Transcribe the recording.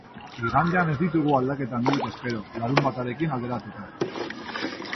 Igandean ez ditugu aldaketa handirik espero, larunbatarekin alderatuta.